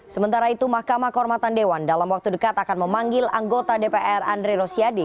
sementara itu mahkamah kehormatan dewan dalam waktu dekat akan memanggil anggota dpr andre rosiade